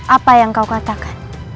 apa yang kau katakan